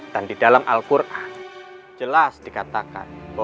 dan di dalam al quran jelas dikatakan bahwa